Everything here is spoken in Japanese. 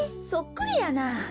そっくりやな。